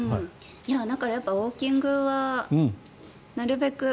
だから、ウォーキングはなるべく。